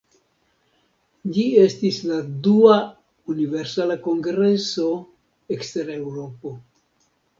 Ĝi estis la dua Universala Kongreso ekster Eŭropo.